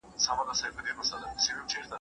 غمي به وي ، ماران به وي که څه به يې وي شاته